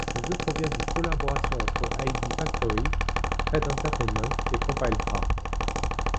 Le jeu provient d'une collaboration entre Idea Factory, Red Entertainment et Compile Heart.